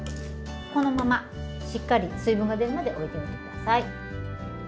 このまましっかり水分が出るまでおいておいてください。